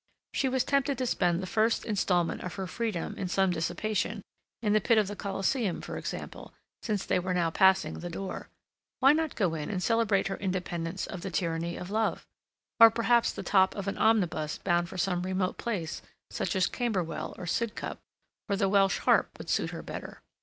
She was tempted to spend the first instalment of her freedom in some dissipation; in the pit of the Coliseum, for example, since they were now passing the door. Why not go in and celebrate her independence of the tyranny of love? Or, perhaps, the top of an omnibus bound for some remote place such as Camberwell, or Sidcup, or the Welsh Harp would suit her better.